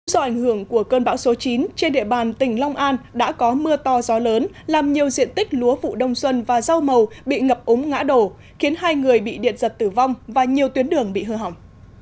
do ảnh hưởng của cơn bão số chín trên địa bàn tỉnh long an đã có mưa to gió lớn làm nhiều diện tích lúa vụ đông xuân và rau màu bị ngập úng ngã đổ khiến hai người bị điện giật tử vong và nhiều tuyến đường bị hư hỏng